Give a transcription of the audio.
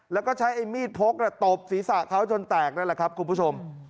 แล้วก็ใช้ไอ้มีดพกตบศีรษะเขาจนแตกนั่นแหละครับคุณผู้ชม